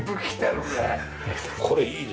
これいいね。